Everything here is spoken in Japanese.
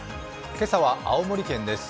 今朝は青森県です。